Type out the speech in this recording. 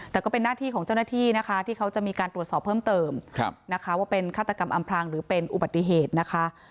แต่ก็เป็นหน้าที่ของเจ้าหน้าที่นะคะที่เขาจะมีการตรวจสอบเพิ่มเติมนะคะว่าเป็นฆาตกรรมอำพลางหรือเป็นอุบัติเหตุนะคะ